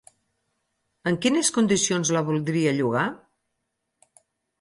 En quines condicions la voldria llogar?